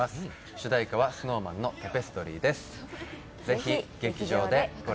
主題歌はＳｎｏｗＭａｎの「タペストリー」です。